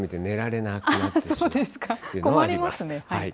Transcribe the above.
困りますね。